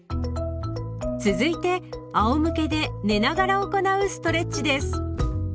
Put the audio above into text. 続いてあおむけで寝ながら行うストレッチです。